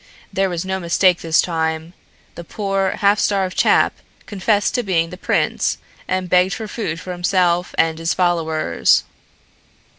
There was no mistake this time. The poor, half starved chap confessed to being the prince and begged for food for himself and his followers."